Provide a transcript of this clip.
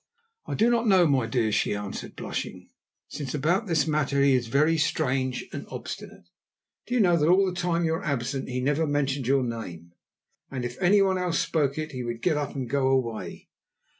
"I do not know, my dear," she answered, blushing, "since about this matter he is very strange and obstinate. Do you know that all the time you were absent he never mentioned your name, and if anyone else spoke it he would get up and go away!"